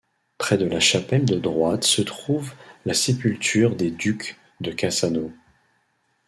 Près de la chapelle de droite se trouve la sépulture des ducs de Cassano.